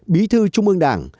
bí thư trung ương đảng